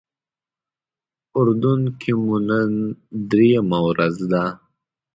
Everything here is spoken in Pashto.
اردن کې مو نن درېیمه ورځ ده.